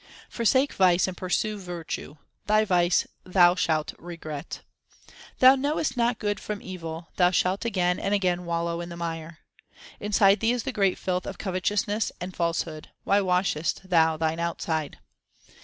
Forsake vice and pursue virtue ; thy vice thou shalt regret. Thou knowest not good from evil ; thou shalt again and again wallow in the mire. Inside thee is the great filth of covetousness and false hood ; why washest thou thine outside